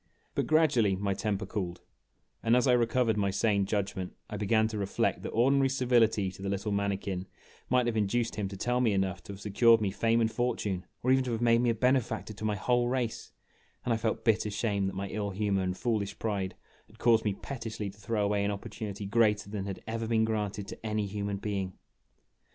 But gradually my temper cooled, and as I recovered my sane judgment I began to reflect that ordinary civility to the little mani kin might have induced him to tell me enough to have secured me fame and fortune, or even to have made me a benefactor to my whole race ; and I felt bitter shame that my ill humor and foolish pride had caused me pettishly to throw away an opportunity greater than had ever been oranted to any human beino